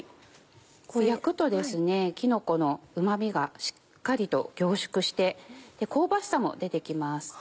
焼くときのこのうま味がしっかりと凝縮して香ばしさも出て来ます。